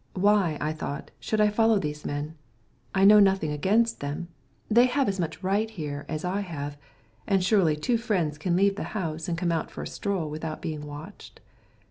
"Why," I thought, "should I follow these men? I know nothing against them. They have as much right here as I have, and surely two friends can leave the house and come out for a stroll without being watched?"